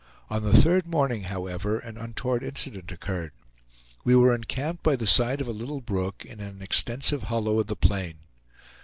On the third morning, however, an untoward incident occurred. We were encamped by the side of a little brook in an extensive hollow of the plain.